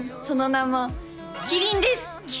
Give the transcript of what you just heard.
その名も「喜りん」です！